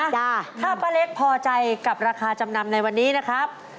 ถ้าป้าเล็กพอใจกับราคาจำนำในวันนี้นะครับ